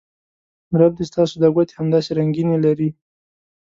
رب دې ستاسو دا ګوتې همداسې رنګینې لرې